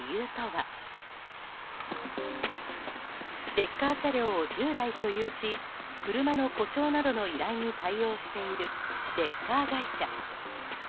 レッカー車両を１０台所有し車の故障などの依頼に対応しているレッカー会社。